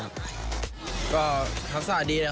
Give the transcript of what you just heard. เขารับรูปอาทิตย์ทีมชาย